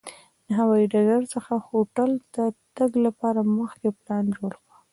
د هوایي ډګر څخه هوټل ته د تګ لپاره مخکې پلان جوړ کړه.